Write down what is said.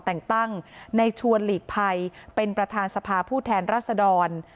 แต่งตั้งในชวนหลีกภัยเป็นประธานสภาผู้แทนรัศดร